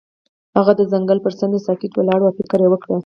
هغه د ځنګل پر څنډه ساکت ولاړ او فکر وکړ.